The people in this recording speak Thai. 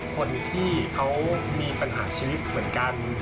คนที่เขามีปัญหาชีวิตเหมือนกัน